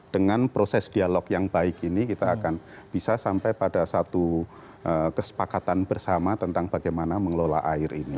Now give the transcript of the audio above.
dengan proses dialog yang baik ini kita akan bisa sampai pada satu kesepakatan bersama tentang bagaimana mengelola air ini